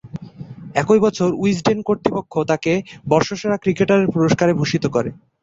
একই বছর উইজডেন কর্তৃপক্ষ তাকে বর্ষসেরা ক্রিকেটারের পুরস্কারে ভূষিত করে।